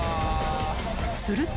［すると］